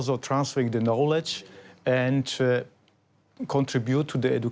สำหรับเรารีบไปแล้วเราต้องยินอธิบายให้ดี